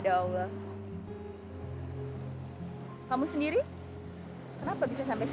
dan ketika aku lagi berhadapan terra diisti